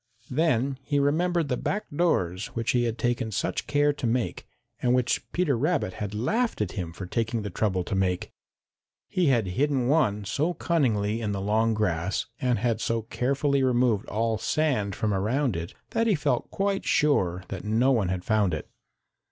Then he remembered the back doors which he had taken such care to make, and which Peter Rabbit had laughed at him for taking the trouble to make. He had hidden one so cunningly in the long grass and had so carefully removed all sand from around it that he felt quite sure that no one had found it.